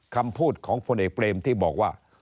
คำพูดของพลเอกเปรมที่บอกว่า